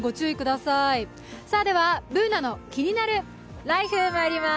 さあでは、「ＢｏｏｎａのキニナルＬＩＦＥ」にまいります。